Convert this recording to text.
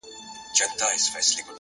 علم د عقل او منطق بنسټ دی!.